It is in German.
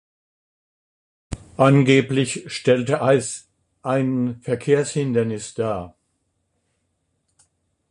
Angeblich stellte es ein Verkehrshindernis dar.